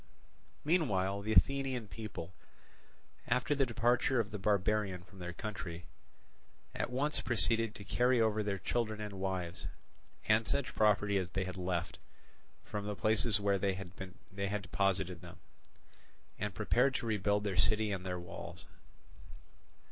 Meanwhile the Athenian people, after the departure of the barbarian from their country, at once proceeded to carry over their children and wives, and such property as they had left, from the places where they had deposited them, and prepared to rebuild their city and their walls.